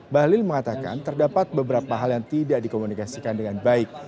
bahlil mengatakan terdapat beberapa hal yang tidak dikomunikasikan dengan baik